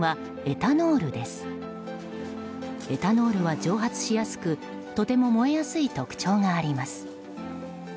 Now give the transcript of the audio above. エタノールは蒸発しやすくとても燃えやすい特徴があります。